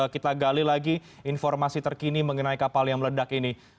kita gali lagi informasi terkini mengenai kapal yang meledak ini